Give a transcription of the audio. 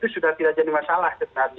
sudah tidak jadi masalah